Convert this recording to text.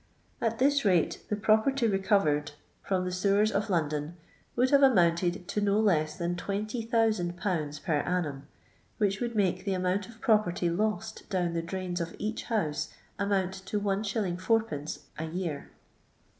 At this rate the property recovered from the sewers of London would have amounted to no less than 20,000/. per annum, which would make the amount of property lost down the drstins of each house amount to Is. id, a year.